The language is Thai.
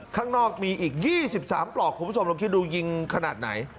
ข้างนอกมีอีก๒๓ปลอกคุณผู้ชมลองคิดดูยิงขนาดไหน